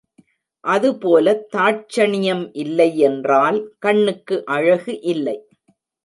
அதுபோலத் தாட்சணியம் இல்லை என்றால் கண்ணுக்கு அழகு இல்லை.